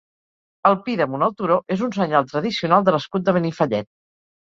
El pi damunt el turó és un senyal tradicional de l'escut de Benifallet.